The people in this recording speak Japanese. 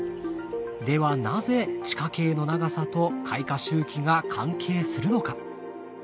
ではなぜ地下茎の長さと開花周期が関係するのか？